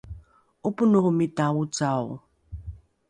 ’oponohomita ocao